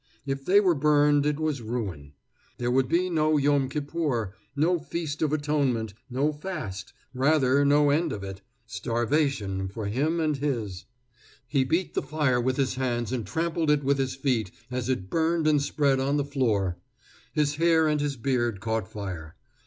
If they were burned, it was ruin. There would be no Yom Kippur, no feast of Atonement, no fast rather, no end of it; starvation for him and his. He beat the fire with his hands and trampled it with his feet as it burned and spread on the floor. His hair and his beard caught fire.